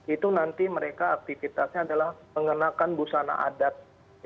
itu nanti mereka aktivitasnya adalah mengenakan busana adat